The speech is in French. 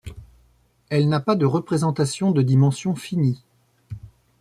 Elle n'a pas de représentations de dimension finie.